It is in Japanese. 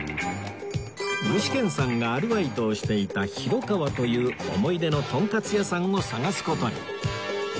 具志堅さんがアルバイトをしていたひろかわという思い出のとんかつ屋さんを探す事に